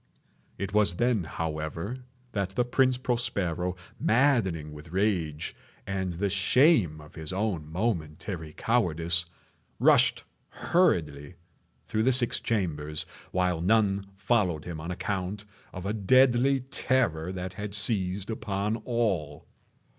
It was then, however, that the Prince Prospero, maddening with rage and the shame of his own momentary cowardice, rushed hurriedly through the six chambers, while none followed him on account of a deadly terror that had seized upon all.